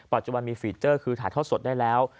ปัจจุบันมีฟีเจอร์คือถ่ายทอดสดได้แล้ว